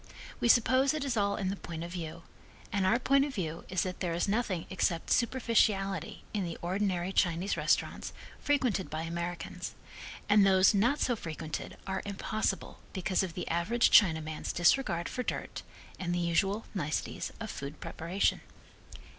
We suppose it is all in the point of view, and our point of view is that there is nothing except superficiality in the ordinary Chinese restaurants frequented by Americans, and those not so frequented are impossible because of the average Chinaman's disregard for dirt and the usual niceties of food preparation.